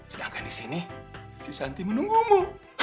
sedangkan di sini si santi menunggumu